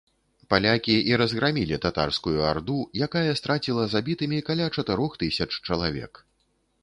Палякі і разграмілі татарскую арду, якая страціла забітымі каля чатырох тысяч чалавек.